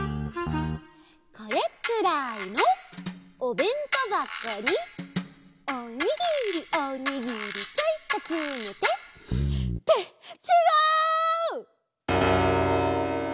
「これくらいのおべんとばこに」「おにぎりおにぎりちょいとつめて」ってちがう！